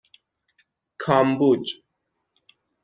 کامبوج